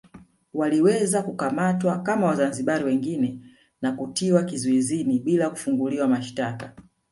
Waliweza kukamatwa kama Wazanzibari wengine na kutiwa kizuizini bila kufunguliwa mashitaka